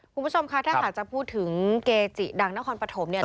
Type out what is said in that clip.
คุณผู้ชมคะถ้าหากจะพูดถึงเกจิดังนครปฐมเนี่ย